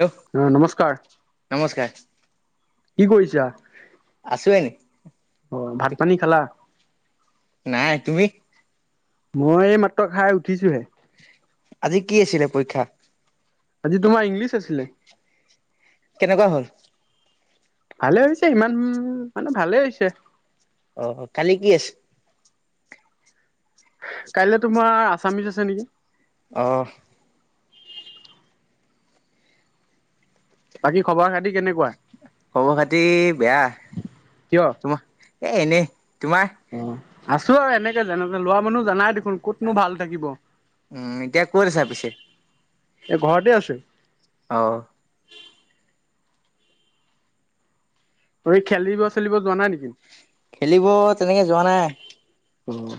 Hello অ নমস্কাৰ। নমস্কাৰ। কি কৰিছা, আছো এনে অ ভাত পানী খালা? নাই, তুমি? মই এই মাত্ৰ খাই উঠিছোহে। আজি কি আছিলে পৰীক্ষা? আজি তোমাৰ ইংলিছ আছিলে। কেনেকুৱা হ'ল? ভালে হৈছে ইমান মানে ভালে হৈছে অ, কালি কি আছে? কাইলৈ তোমাৰ আছামিচ আছে নেকি? অহ বাকী খবৰ খাতি কেনেকুৱা? খবৰ খাতি বেয়া, কিয় তোমাৰ এ এনেই, তোমাৰ? অঁ আছো আৰু এনেকে জানো লোৱা মানুহ জানাই দেখোন। কতনো ভাল থাকিব, উম এতিয়া ক'ত আছা পিছে এ ঘৰতে আছে। অ। খেলিব চেলিব যোৱা নাই নেকি? খেলিব তেনেকে যোৱা নাই। অঁ।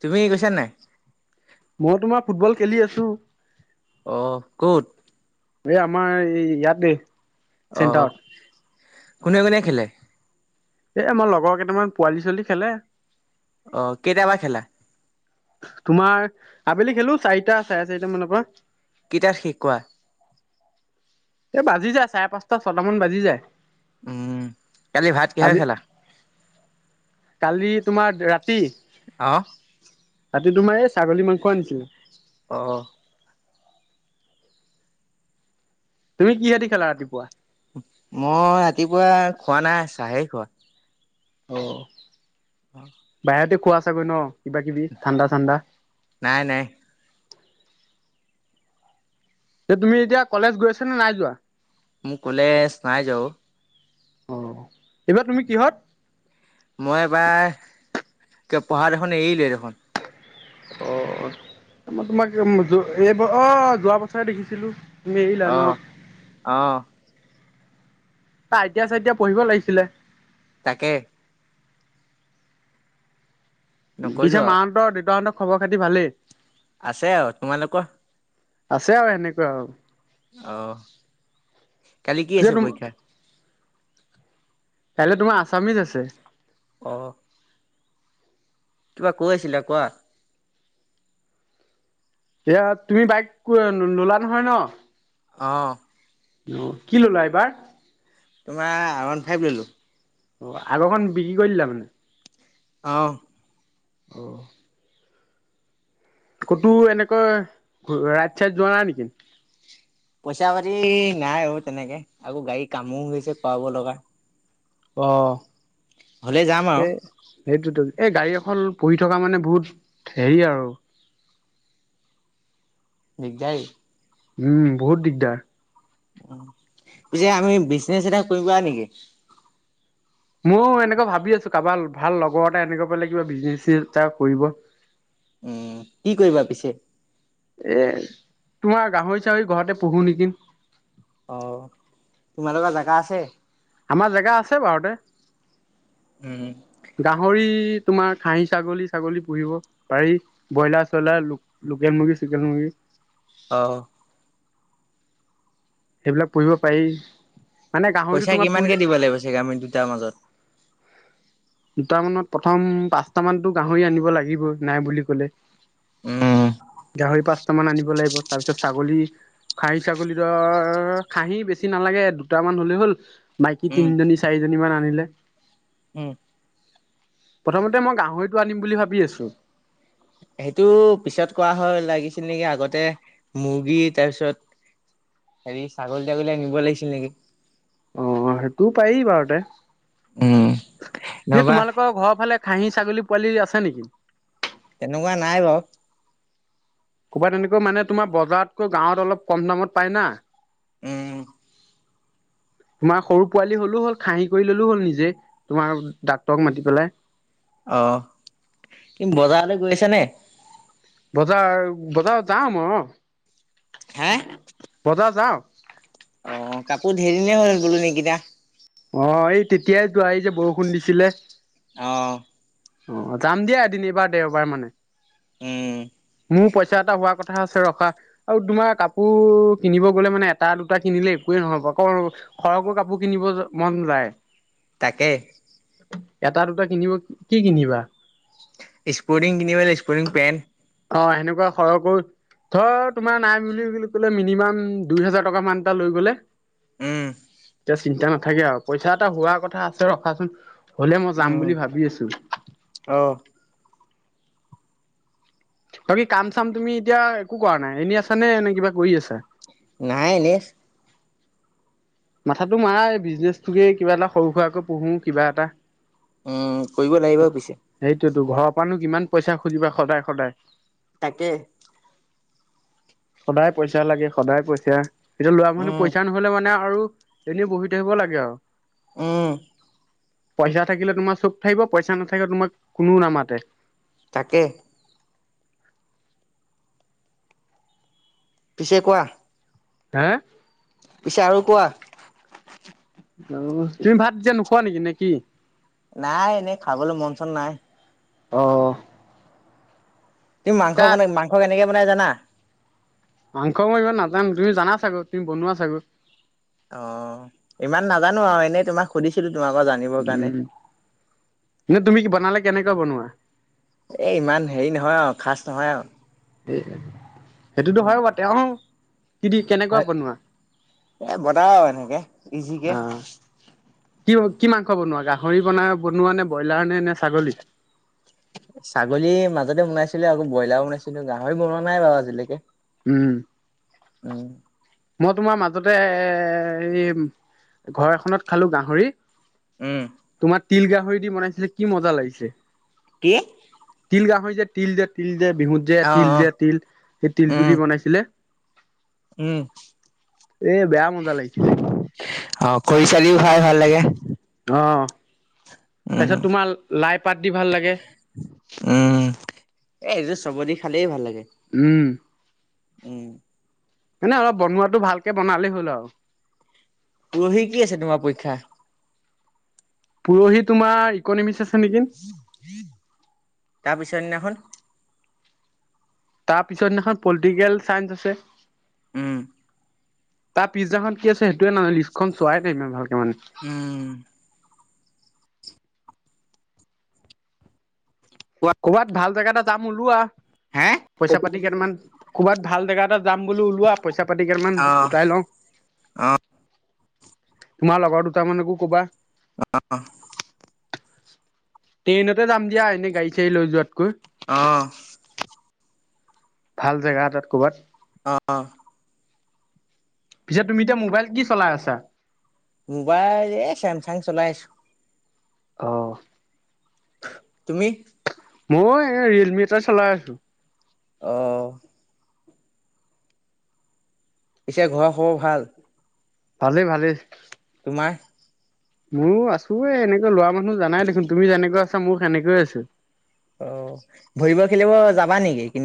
তুমি গৈছা নাই? মই তোমাৰ ফুটবল খেলি আছো। অ ক'ত? এ আমাৰ ইয়াতে। অ চেণ্টাৰত কোনে কোনে খেলে? এ মোৰ লগৰ কেইটামান পোৱালি ছোৱালী খেলে। অ কেইটা পা খেলা? তোমাৰ আবেলি খেলো চাৰিটা, চাৰে চাৰিটা মানৰ পা। কেইটাক শিকোৱা। এ বাজি যায় চাৰে পাঁচটা ছটা মান বাজি যায়। উম কালি ভাত কিহেৰে আজি খালা কালি তোমাৰ ৰাতি অ। ৰাতি তোমাৰ এই ছাগলী মাংস আনিছিলে। অ। তুমি কিহেদি খালা ৰাতিপুৱা। মই ৰাতিপুৱা খোৱা নাই, চাহেই খোৱা। অ। [inaudible] বাহিৰতে খোৱা চাগৈ ন, কিবা কিবি ঠাণ্ডা ঠাণ্ডা। নাই, নাই। তুমি এতিয়া কলেজ গৈছা নে নাই যোৱা। মোৰ কলেজ নাই যোৱা অ'। অ', এইবাৰ তুমি কিহত? মই এবাৰ পঢ়া দেখোন এৰিলোৱেই দেখোন। অ', মই তোমাক এই অ', যোৱা বছৰে দেখিছিলো। তুমি এৰিলা ন অ' অ'। তই আই তি য়াই, চাই তি য়াই পঢ়িব লাগিছিলে। তাকে। নকৰিলো পিছে আৰু মাহঁতৰ, দেউতাহঁতক খবৰ খাতি ভালেই? আছে আৰু তোমালোকৰ? আছে আৰু এনেকৈ আৰু। অ', কালি কি পিছে আছে পৰীক্ষা? কাইলে তোমাৰ আছামিজ আছে। অ'। কিবা কৈ আছিলা কোৱা। এয়া, তুমি বাইক ললা নহয় ন? অ'। অ', কি ললা এইবাৰ? তোমাৰ আৰ অন ফাইভ ল'লোঁ। অ', আগৰখন বিক্ৰী কৰি দিলা মানে? অ'। অঁ অঁ! ক'তো এনেকৈ ৰাইত চাইড যোৱা নাই নেকি? পইচা পাতি নাই আও তেনেকে আকৌ গাড়ী কামো হৈছে কৰাৱাব লগা। অঁ হলে যাম আৰু সেই- সেইটোতো এই গাড়ী এখন পঢ়ি থকা মানে বহুত হেৰি আৰু। দিগদায়। উমঁ বহুত দিগদাৰ। পিছে আমি বিজনেচ এটা কৰিবা নেকি? ময়ো এনেকুৱা ভাবি আছো কাৰোবাৰ ভাল লগৰ এটা এনেকুৱা প কিব বিজনেচ এ কৰিব। উমঁ কি কৰিবা পিছে- এ তোমাৰ গাহৰি চাহৰি ঘৰতে পঢ়ো নেকি। অঁ তোমালোকৰ জেগা আছে। আমাৰ জেগা আছে বাৰুতে- উমঁ! গাহৰি তোমাৰ খাহী ছাগলী ছাগলী পুহিব। পাৰি ব্ৰইলাৰ চ্ৰলাৰ লোকেল মুৰ্গী চোকেল মুৰ্গী। অঁ! সেইবিলাক পোহিব পাৰি। মানে গাহৰিটো পইচা তোমাৰ কিমান কে পুহিলে দিব লাগিব চাগে আমি দুটাৰ মাজত। দুটামানত প্ৰথম পাঁচট মানতো গাহৰি আনিব লাগিব নাই বুলি কলে- উম গাহৰি পাঁচট মান আনিব লাগিব তাৰ পিছত ছাগলী- খাহী ছাগলীটোৰ আও খাহী বেছি নালাগে দুটামান হলেই হ'ল- মাইকী উম, তিনিজনী চাৰিজনী মান আনিলে-। উমঁ! প্ৰথমতে মই গাহৰিটো আনিম বুলি ভাবি আছোঁ। সেইটো পিছত কোৱা হয় লাগিছে নেকি আগতে মুৰ্গী তাৰপিছত- হেৰি ছাগলী তাগলীয়ে আনিব লাগিছিল নেকি? অঁ সেইটোও পাৰী বাৰতে যে নহবা তোমালোক- আপোনাৰ ঘৰ ফালে খাহি ছাগলী পোৱালি আছে‌ নেকি? তেনেকুৱা নাই বাৰ- ক'ৰবাত তেনেকৈ মানে তোমাৰ বজাৰতকৈ গাঁৱত অলপ কম দামত পায় না। [unintelligible] তোমাৰ সৰু পোৱালি হ'লো হ'ল খাঁহি কৰি ললোঁ হ'ল নিজে তোমাৰ ডাক্তৰক মাতি পেলাই। অঁ কি বজাৰলৈ গৈছে নে? বজাৰ বজাৰ যাওঁ অ হা? মই বজাৰ যাওঁ। অঁ কাপোৰ ধেৰি নে হৈল গলো নীকিনা। অঁ এই তেতিয়াইতো আহি যে বৰষুণ দিছিলে। অঁ। অঁ যাম দিয়া এদিন এইবাৰ দেওবাৰ মানে উম, মোৰ পইচা এটা হোৱা কথা- কথা আছে ৰখা। আৰু তোমাৰ কাপোৰ কিনিব গলে মানে এটা দুটা কিনিলে একোৱেই নহব আক- সৰহকৈ কাপোৰ কিনিব মন যায়। তাকে। এটা দুটা কিনিব কি কিনিবা? স্পৰ্টিং কিনিবেলাই স্পৰ্টিং পেণ্ট। অঁ! সেনেকুৱা সৰহকো ধৰ তোমাৰ নাই বুলি ক'লে মিনিমাম দুই হেজাৰ টকা মান এটা লৈ গ'লে উম। এতিয়া চিন্তা নাথাকে আৰু। পইচা এটা হোৱা কথা আছে ৰখা চোন হ'লে মই যাম উম বুলি ভাবি আছোঁ। অ! বাকী কাম-চাম তুমি এতিয়া একো কৰা নাই। এনেই আছানে নে কিবা কৰি আছা? নাই এনেই। মাথাটো মাৰা এই বিজনেছটোকে কিবা এটা সৰু সুৰাকৈ পুহো কিবা এটা। উম! কৰিব লাগিব পিছে। সেইটোৱেইটো ঘৰৰ পৰানো কিমান পইচা খুজিবা সদায়-সদায়। তাকে। সদায় পইচা লাগে, সদায় পইচা। এতিয়া ল'ৰা মানুহ উম, পইচা নহ নহ'লে মানে আৰু এনেই বহি থাকিব লাগে আৰু। উম। পইচা থাকিলে তোমাৰ চব থাকিব পইচা নাথাকিলে তোমাক কোনো নামাতে। তাকে। পিছে কোৱা? হা! পিছে আৰু কোৱা? অঁ! তুমি ভাত এতিয়া নোখোৱা নেকি নে কি? নাই এনেই খাবলে মন-চন নাই। অঁ! তুমি মাংস বনাই মাংস কেনেকে বনাই জানা? মাংস মই ইমান নাজানো। তুমি জানা চাগৈ তুমি বনোৱা চাগৈ? অঁ! ইমান নাজানো আৰু এনেই তোমাক সুধিছিলো তোমাৰ পৰা জানিবৰ কাৰণে। কিন্তু তুমি কি বনালে কেনেকৈ বনোৱা? এ ইমান হেৰি নহয় আৰু খাচ নহয় আৰু। [unintelligible] সেইটোতো হয় বা তেওঁ কি দি কেনেকুৱা হয়। বনোৱা? এ বনাও আৰু এনেকে ইজিকে। কি-কি মাংস বনোৱা গাহৰি বনা বনোৱা নে, ব্ৰইলাৰ নে, নে ছাগলী? ছাগলী মাজতে বনাইছিলো। আকৌ ব্ৰইলাৰো বনাইছিলো গাহৰি বনোৱা নাই বাৰু আজিলৈকে। উম। উম। মই তোমাৰ মাজতে এ এই ঘৰ এখনত খালোঁ গাহৰি। উম। তোমাৰ তিল গাহৰি দি বনাইছিলে কি মজা লাগিছে। কি? তিল গাহৰি যে, তিল যে, তিল যে, বিহুত যে, অ তিল অ যে, তিল সেই তিলটো উম দি বনাইছিলে। উম। এ বেয়া মজা লাগিছিলে। অঁ! খৰিচা দিওঁ খাই ভাল লাগে। অঁ! উম তাৰপিছত তোমাৰ লাই পাত দি ভাল লাগে। উম! এ এইযোৰ চবে দি খালেই ভাল লাগে। উম! উম। এনে, অলপ বনোৱাটো ভালকে বনালেই হ'ল আৰু। পৰহি কি আছে, তোমাৰ পৰীক্ষা? পৰহি তোমাৰ, ইকনমিক্স আছে নেকি? তাৰপিছৰ দিনাখন? তাৰ পিছত দিনাখন পলিটিকেল চাইন্স আছে। উম, তাৰ পিছদিনাখন কি আছে সেইটোৱে নাজানো, লিষ্টখন চোৱাই মই ভালকে মানে। উম, কোৱা ক'ৰবাত ভাল জেগা এটা যাম ওলোৱা। হে পইচা পাতি কেইটামান, কৰ'বাত ভাল জাগা এটাত যাম বোলো ওলোৱা, পইচা পাতি কেইটান অ', গোটাই লওঁ। অ', তোমাৰ লগৰ দুটামানকো কবা। অ, ট্ৰেইনতে যাম দিয়া, এনে গাড়ী-চাড়ী লৈ যোৱাতকৈ। অ, ভাল জেগা এটাত, ক'বাত। অ, অ, পিছে তুমি এতিয়া, মোবাইল কি চলাই আছা? মোবাইল এ, চেমচাং চলাই আছো। অ, তুমি? ময়ো এই, ৰিয়েলমি এটা চলাই আছো। অ, পিছে ঘৰৰ, খবৰ ভাল? ভালেই, ভালেই। তোমাৰ? মোৰো আছো এই, এনেকৈ লৰা মানুহ জানাই দেখোন, তুমি যেনেকৈ আছা, মোৰ সেনেকৈ আছো। অ, ভলিবল খেলিব যাবা নেকি, এই কি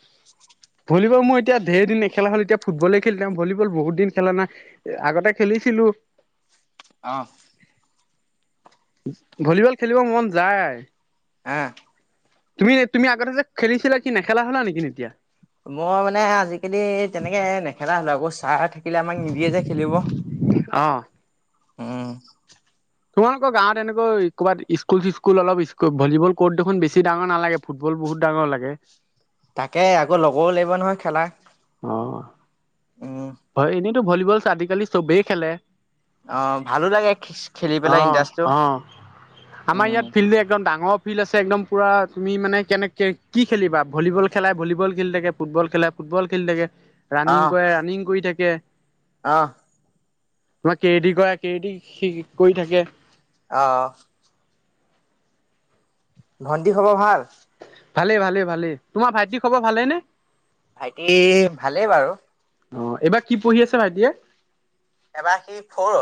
[inaudible] ভলীবল মই এতিয়া ধেৰ দিন নেখেলা হ'লো, এতিয়া ফুটবল খেলি থাকো ভলীবল বহুত দিন খেলা নাই। আগতে খেলিছিলো। অ, ভলীবল খেলিব মন যায়। [inaudible] তুমি, তুমি আগতে যে খেলিছিলা, কি নেখেলা হ'লা নেকি এতিয়া? মই মানে আজিকালি তেনেকে নেখেলা হ'লো, আকৌ চাৰ থাকে। কিলে, আমাক নিদিয়ে যে খেলিব। অ'। উম, তোমালোকৰ গাঁৱত এনেকৈ, ক'ৰবাত স্কুল-চিস্কুল অলপ ভলবল কৰ্ট দেখোন বেছি ডাঙৰ নালাগে। ফুটবল বহুত ডাঙৰ লাগে। তাকে, আকৌ লগৰও লাগিব নহয় খেলা। অ, উম, হয়, এনেইতো ভলীবল আজিকালি চবেই খেলে। অ', ভালো লাগে খেলি অ, পেলাই ইণ্টাৰেষ্টটো। অ, আমাৰ ইয়াত উম, ফিল্ডটো একদম ডাঙৰ ফিল্ড আছে, একদম পূৰা তুমি মানে কেনেকৈ কি খেলিবা, ভলীবল খেলাই ভলীবল খেলি থাকে, ফুটবল খেলাই ফুটবল খেলি থাকে, ৰানিং অ', কৰে ৰাণিং কৰি থাকে। অ', তোমাক কেডি কৰা কেজি সি কৰি থাকে। অ'। ভণ্টি খবৰ ভাল? ভালে, ভালে, ভালে তোমাৰ ভাইটি খবৰ ভালে নে? ভাইটি ভালেই বাৰু। অ', এইবাৰ কি পঢ়ি আছে ভাইটিয়ে? এবাৰ সি ফৰ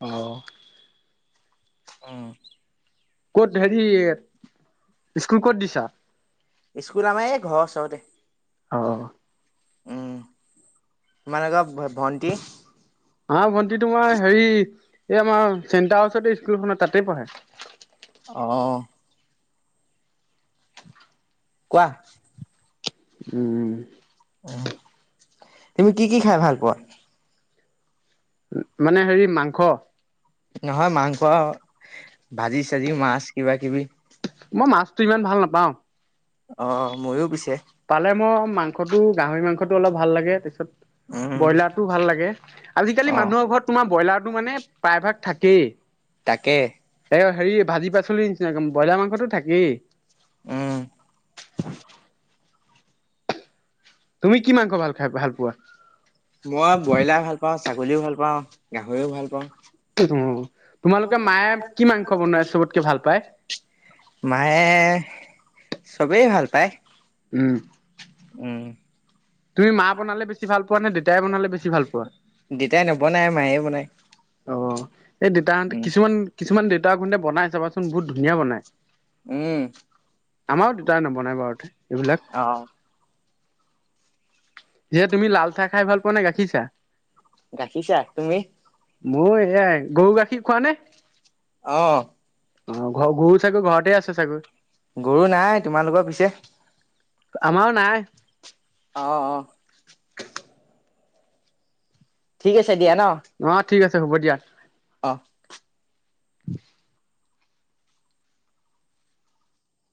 অ'। উম ক'ত হেৰি স্কুল ক'ত দিছা? স্কুল আমাৰ এই ঘৰ ওচৰতে। অ'। উম তোমালোকৰ ভ ভণ্টি? আমাৰ ভণ্টি তোমাৰ হেৰি এই আমাৰ চেণ্টাৰ হাউচতে স্কুলখন তাতে পঢ়ে। অ'। কোৱা। উম। উম তুমি কি কি খাই ভাল পোৱা? মানে হেৰি মাংস। নহয় মাংস ভাজি চাজি মাছ কিবা কিবি। মই মাছটো ইমান ভাল নাপাওঁ। অ', ময়ো পিছে। পালে মই মাংসটো গাহৰি মাংসটো অলপ ভাল লাগে তাছত উম ব্ৰইলাৰটো ভাল লাগে আজিকালি অ মানুহৰ ঘৰত তোমাৰ ব্ৰইলাৰটো মানে প্ৰায়ভাগ থাকেই। তাকে। এই হেৰি ভাজি পাচলিৰ নিচিনাকে ব্ৰইলাৰ মাংসতো থাকেই। উম। তুমি কি মাংস ভাল খাই ভাল পোৱা? মই ব্ৰইলাৰ ভাল পাওঁ ছাগলীও ভাল পাওঁ গাহৰিও ভাল পাওঁ। উম, তোমালোকে মায়ে কি মাংস বনাই চবতকে ভাল পায়? মায়ে চবেই ভাল পায়। উম। উম। তুমি মা বনালে বেছি ভাল পোৱা নে দেতাই বনালে বেছি ভাল পোৱা? দেতাই নবনায় মাইয়ে বনায়। অ এই দেতাহঁতে কিছুমান কিছুমান দেউতাহঁতে বনাই চাবাচোন বহুত ধুনীয়া বনায়। উম। আমাৰো দেতাই নবনাই বাৰুতে এইবিলাক। অ'। যে তুমি লাল চাহ খাই ভাল পোৱা নে গাখীৰ চাহ? গাখিৰ চাহ তুমি? মোৰো সেৱাই গৰু গাখীৰ খোৱানে? অ'। অ' ঘ গৰু চাগৈ ঘৰতে আছে চাগৈ গৰু নাই তোমালোকৰ পিছে? আমাৰও নাই। অ অ। ঠিক আছে দিয়া ন? অ ঠিক আছে হ'ব দিয়া। অ।